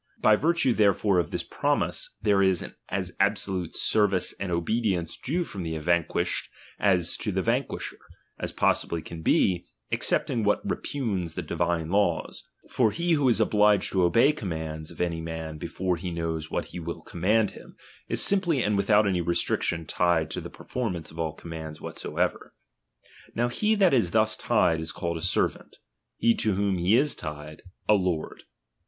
By virtue therefore of this promise, there *s as absolute service and obedience due from the "Vanquished to the vanquisher, as possibly can be, Excepting what repugns the divine laws ; for he "vi'lio is obliged to obey the commands of any man before he knows what he will command him, is simply and without any restriction tied to the per formance of all commands whatsoever. Now he that is thus tied, is called a servant ; he to whom be is tied, a lord.